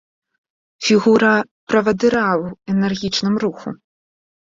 Фігура правадыра ў энергічным руху.